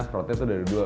fraudnya tuh dari dua